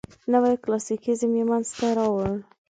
نوي کلاسیکیزم یې منځ ته راوړ.